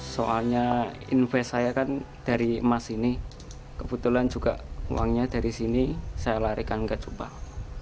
soalnya invest saya kan dari emas ini kebetulan juga uangnya dari sini saya larikan ke cupang